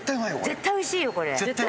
絶対おいしいよこれ。